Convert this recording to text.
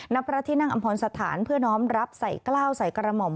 ณพระที่นั่งอำพรสถานเพื่อน้องรับใส่กล้าวใส่กระหม่อม